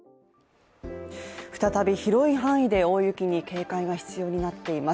再び広い範囲で大雪に警戒が必要になっています。